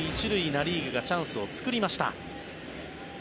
ナ・リーグがチャンスを作りました。